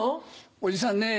おじさんね